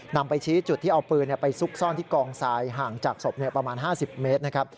นำไปชี้จุดที่เอาปืนไปซุกซ่อนที่กองทรายห่างจากศพประมาณ๕๐เมตรนะครับ